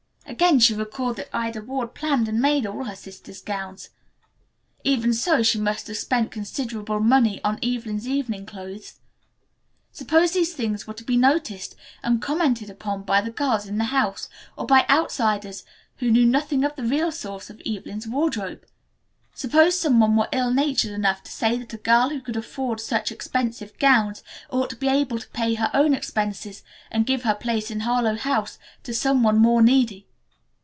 Again she recalled that Ida Ward planned and made all her sister's gowns. Even so, she must have spent considerable money on Evelyn's evening clothes. Suppose these things were to be noticed and commented upon by the girls in the house, or by outsiders who knew nothing of the real source of Evelyn's wardrobe? Suppose some one were ill natured enough to say that a girl who could afford such expensive gowns ought to be able to pay her own expenses and give her place in Harlowe House to some one more needy.